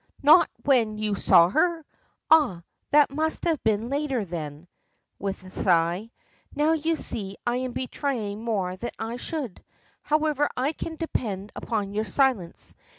Not when you saw her? Ah! that must have been later then," with a sigh, "you see now I am betraying more than I should. However, I can depend upon your silence.